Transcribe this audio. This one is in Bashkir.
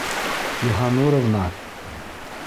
Йыһаннуровна!